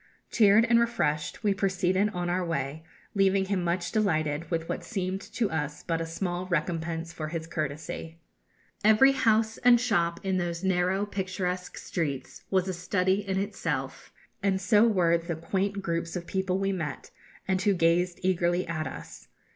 Cheered and refreshed we proceeded on our way, leaving him much delighted with what seemed to us but a small recompense for his courtesy. Every house and shop in those narrow picturesque streets was a study in itself, and so were the quaint groups of people we met, and who gazed eagerly at us.